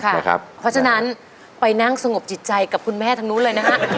เพราะฉะนั้นไปนั่งสงบจิตใจกับคุณแม่ทางนู้นเลยนะฮะ